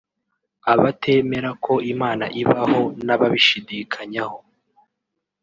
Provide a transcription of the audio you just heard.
Abatemera ko Imana ibaho n’ababishidikanyaho